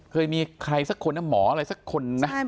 เคยมีใครสักคนหมออะไรซักคนน่ะใช่บอกว่ากิ้งกึ